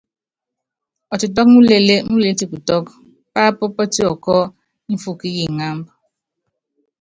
Ɔtitɔ́k múlilɛ́ múlilɛ́ tikutɔ́k pááp pɔ́tiɔkɔ́ mfɔ́k yi ŋámb.